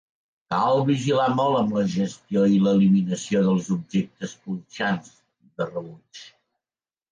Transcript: Cal vigilar molt amb la gestió i l'eliminació dels objectes punxants de rebuig.